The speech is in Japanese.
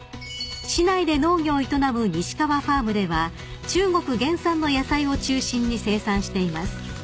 ［市内で農業を営む西川ファームでは中国原産の野菜を中心に生産しています］